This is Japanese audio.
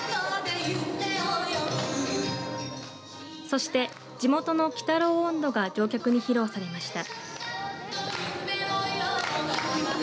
そして地元の鬼太郎音頭が乗客に披露されました。